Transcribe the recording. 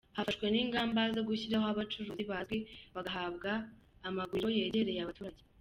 Hafashwe n’ingamba zo gushyiraho abacuruzi bazwi bagahabwa amaguriro yegereye abaturage.